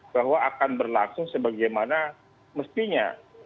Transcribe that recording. bahwa akan berlangsung sebagaimana mestinya